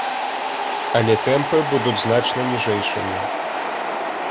Але тэмпы будуць значна ніжэйшымі.